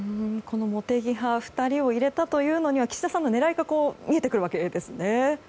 茂木派２人を入れたのには岸田さんの狙いが見えてくるわけですね。